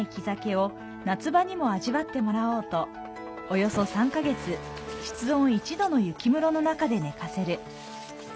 約３カ月、室温１℃の雪室の中で寝かせる。